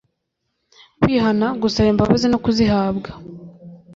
kwihana gusaba imbabazi no kuzihabwa